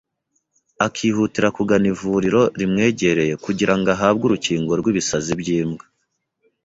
akihutira kugana ivuriro rimwegereye kugira ngo ahabwe urukingo rw’ibisazi by’imbwa.